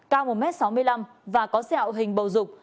cao một m sáu mươi năm và có xeo hình bầu rục